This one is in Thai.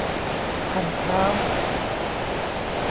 ท่านท้าว